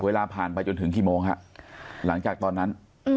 เวลาผ่านไปจนถึงกี่โมงฮะหลังจากตอนนั้น